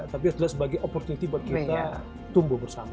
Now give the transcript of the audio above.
tapi adalah sebagai opportunity buat kita tumbuh bersama